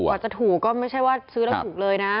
กว่าจะถูกก็ไม่ใช่ว่าซื้อแล้วถูกเลยนะ